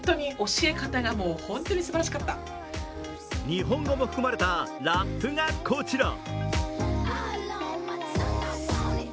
日本語も含まれたラップがこちら！